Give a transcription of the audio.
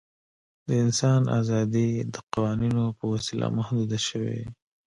د انسان آزادي د قوانینو په وسیله محدوده شوې.